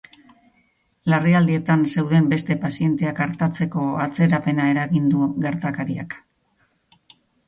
Larrialdietan zeuden beste pazienteak artatzeko atzerapena eragin du gertakariak.